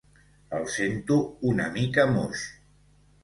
El sento una mica moix.